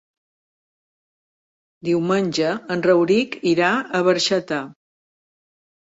Diumenge en Rauric irà a Barxeta.